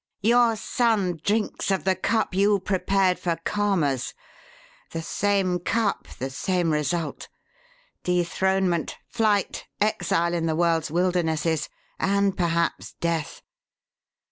"Your son drinks of the cup you prepared for Karma's. The same cup, the same result: dethronement, flight, exile in the world's wildernesses, and perhaps death.